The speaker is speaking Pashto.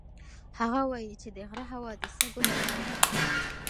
هغه وایي چې د غره هوا د سږو لپاره ښه ده.